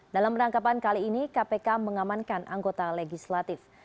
dalam penangkapan kali ini kpk mengamankan anggota legislatif